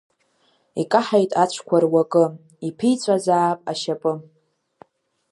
Икаҳаит ацәқәа руакы, иԥиҵәазаап ашьапы.